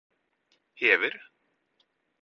hever